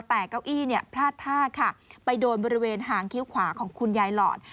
แต่เก้าอี้พลาดท่าค่ะไปโดนบริเวณหางคิ้วขวาของคุณยายหลอด